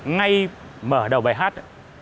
ngay mở đầu bài hát